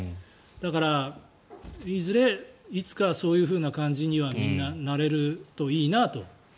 だから、いずれいつかそういうふうな感じにはみんななれるといいなと。